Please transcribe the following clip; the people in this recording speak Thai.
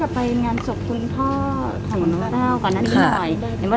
ของน้องเต้อก่อนนั้นได้ไหม